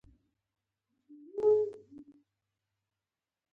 د نورو سیمو اوسېدونکو لږ متفاوت بنسټونه لرل